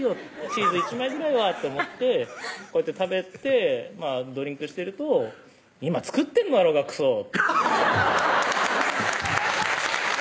チーズ１枚ぐらいはと思ってこうやって食べてドリンクしてると「いま作ってんだろうがクソッ！」